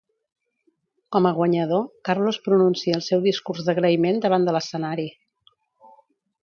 Com a guanyador, Carlos pronuncia el seu discurs d'agraïment davant de l'escenari.